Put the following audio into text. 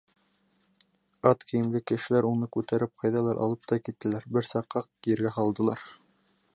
Аҡ кейемле кешеләр уны күтәреп ҡайҙалыр алып та киттеләр, берсә ҡаҡ ергә һалдылар.